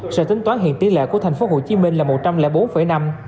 sở tính toán hiện tỷ lệ của tp hcm là một trăm linh bốn năm